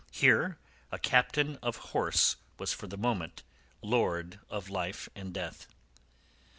Here a captain of horse was for the moment lord of life and death.